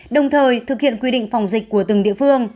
đồng thời thực hiện quy định phòng dịch của từng địa phương